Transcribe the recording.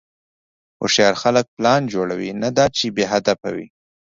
هوښیار خلک پلان جوړوي، نه دا چې بېهدفه وي.